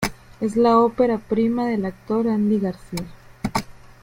Es la ópera prima del actor Andy García.